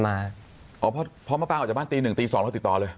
เพราะพอมะปางออกจากบ้านตีหนึ่งตีสองเราติดต่อเลย